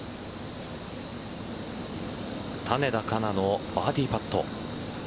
種子田香夏のバーディーパット。